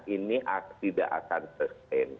ini tidak akan sesin